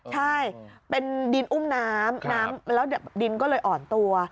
ใช่เป็นดินอุ้มน้ำน้ำแล้วดินก็เลยอ่อนตัว